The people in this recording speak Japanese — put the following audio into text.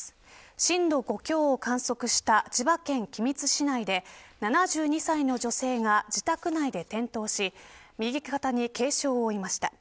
震度５強を観測した千葉県君津市内で７２歳の女性が自宅内で転倒し右肩に軽傷を負いました。